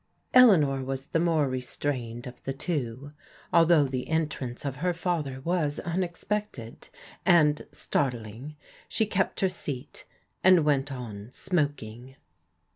Eleanor was the more restrained of the two. Al though the entrance of her father was imexpected, and startling, she kept her seat and went on smoking.